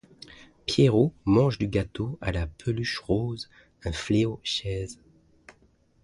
Pierrot mange du gâteau à la peluche rose un fléau chaise